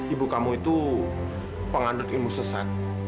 ibu kamu itu pengandut ilmu sesat